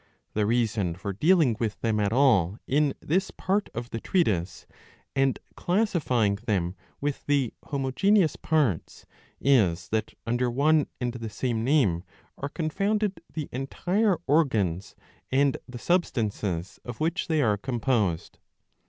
The reason for dealing with them at all in this part of the treatise, and classifying them with the homogeneous parts, is that under one and the same name are confounded the entire organs and the substances of which they are composed.